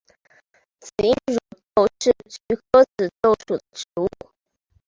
紫缨乳菀是菊科紫菀属的植物。